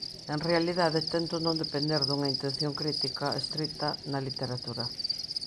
En realidade tento non depender dunha intención crítica estrita na literatura.